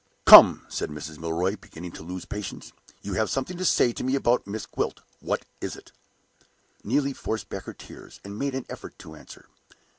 "Come!" said Mrs. Milroy, beginning to lose patience. "You have something to say to me about Miss Gwilt. What is it?" Neelie forced back her tears, and made an effort to answer.